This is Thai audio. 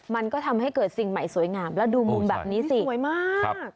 มันก็ทำให้เกิดสิ่งใหม่สวยงามแล้วดูมุมแบบนี้สิสวยมาก